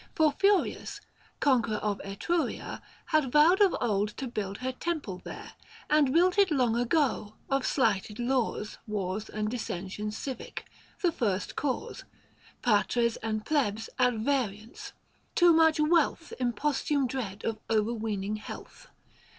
For Furius, conqueror of Etruria, Had vowed of old to build her temple there, And built it long ago : of slighted laws 690 Wars and dissensions civic, the first cause — Patres and Plebs at variance : too much wealth Impostume dread of overweening health.